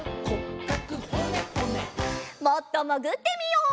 もっともぐってみよう。